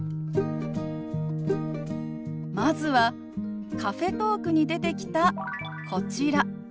まずはカフェトークに出てきたこちら。